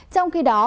trong khi đó